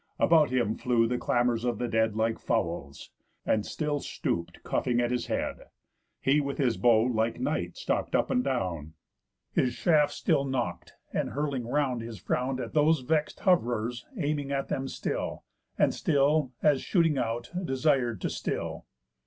About him flew the clamours of the dead Like fowls, and still stoop'd cuffing at his head. He with his bow, like Night, stalk'd up and down, His shaft still nock'd, and hurling round his frown At those vex'd hov'rers, aiming at them still, And still, as shooting out, desire to still.